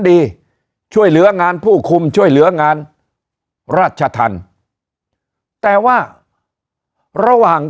ช่วยเหลืองานผู้คุมช่วยเหลืองานราชธรรมแต่ว่าระหว่าง